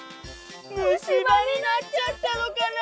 むしばになっちゃったのかなあ？